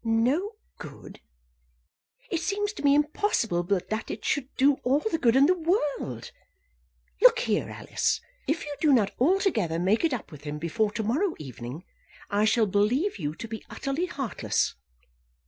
"No good! It seems to me impossible but that it should do all the good in the world. Look here, Alice. If you do not altogether make it up with him before to morrow evening, I shall believe you to be utterly heartless.